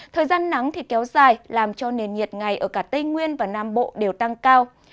thời gian nắng thì kéo dài làm cho nền nhiệt ngày ở cả tây nguyên và nam bộ đều tăng cao